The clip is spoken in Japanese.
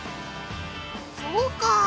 そうかあ。